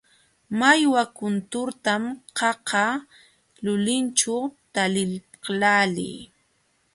Mallwa kunturtam qaqa lulinćhu taliqlaalii.